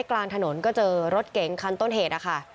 กลางถนนก็เจอรถเก๋งคันต้นเหตุนะคะ